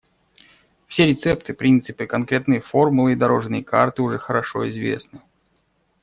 Все рецепты, принципы, конкретные формулы и «дорожные карты» уже хорошо известны.